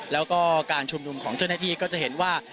แล้วก็การชุมนุมของเจ้าหน้าที่ก็จะเห็นว่า